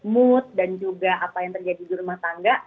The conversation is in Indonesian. mood dan juga apa yang terjadi di rumah tangga